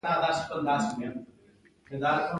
د هرات په کشک کې د سمنټو مواد شته.